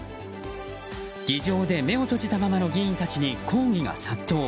議場で目を閉じたままの議員たちに抗議が殺到。